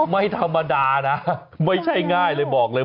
ไม่ธรรมดานะไม่ใช่ง่ายเลยบอกเลย